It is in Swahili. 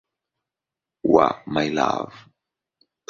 wa "My Love".